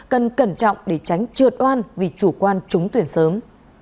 cần cẩn trọng để tránh trượt oan vì chủ quan trúng tuyển sớm